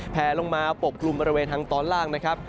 แผลลงมาปกกลุ่มบริเวณทางตอนล่างนะครับ